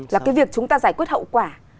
là cái việc chúng ta giải quyết hậu quả